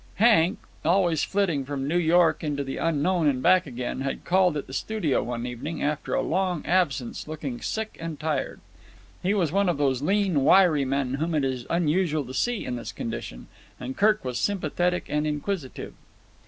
Hank, always flitting from New York into the unknown and back again, had called at the studio one evening, after a long absence, looking sick and tired. He was one of those lean, wiry men whom it is unusual to see in this condition, and Kirk was sympathetic and inquisitive.